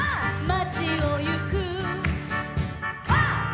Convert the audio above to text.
「まちをゆく」